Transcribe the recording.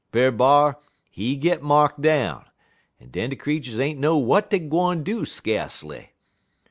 Brer B'ar he got marked down, and den de creeturs ain't know w'at dey gwine do skacely.